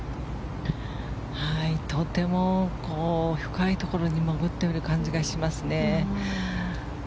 とても深いところに潜っている感じがしますね。